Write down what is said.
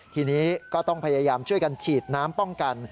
ทีนี้ก็ต้องพยายามช่วยกันฉีดน้ำป้องกัน